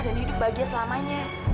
dan hidup bahagia selamanya